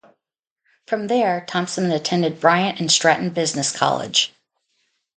From there Thompson attended Bryant and Stratton Business College.